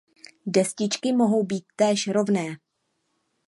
Destičky mohou být též rovné.